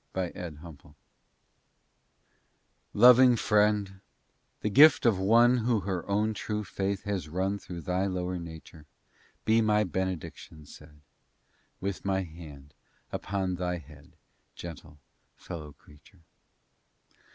TO FLUSH, MY DOG I Loving friend, the gift of one Who her own true faith has run Through thy lower nature, Be my benediction said With my hand upon thy head, Gentle fellow creature!